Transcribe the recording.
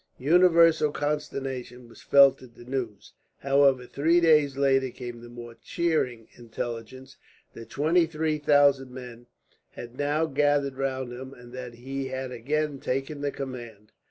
Universal consternation was felt at the news. However, three days later came the more cheering intelligence that twenty three thousand men had now gathered round him, and that he had again taken the command.